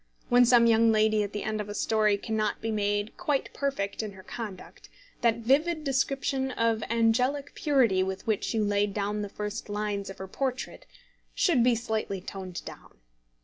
When some young lady at the end of a story cannot be made quite perfect in her conduct, that vivid description of angelic purity with which you laid the first lines of her portrait should be slightly toned down.